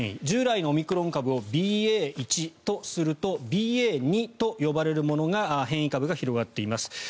従来のオミクロン株をＢＡ．１とするとＢＡ．２と呼ばれるものが変異株が広がっています。